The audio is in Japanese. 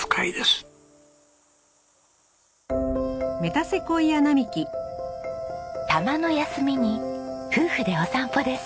たまの休みに夫婦でお散歩です。